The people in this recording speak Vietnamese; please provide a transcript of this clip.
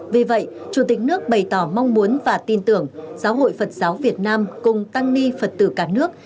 vì vậy chủ tịch nước bày tỏ mong muốn và tin tưởng giáo hội phật giáo việt nam cùng tăng ni phật tử cả nước